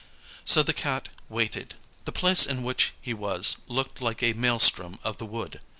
So the Cat waited. The place in which he was looked like a maelstrom of the wood.